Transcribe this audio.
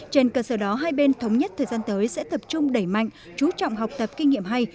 trên cơ sở đó hai bên thống nhất thời gian tới sẽ tập trung đẩy mạnh chú trọng học tập kinh nghiệm hay